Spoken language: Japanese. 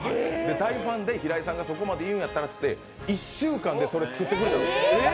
大ファンで、平井さんがそこまで言うんだったらといって、１週間でそれ、作ってくれたんです。